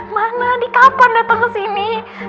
mana adi kapan dateng kesini